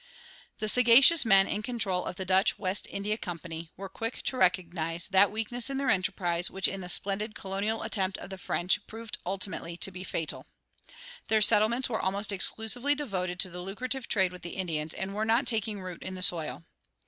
[69:1] The sagacious men in control of the Dutch West India Company were quick to recognize that weakness in their enterprise which in the splendid colonial attempt of the French proved ultimately to be fatal. Their settlements were almost exclusively devoted to the lucrative trade with the Indians and were not taking root in the soil.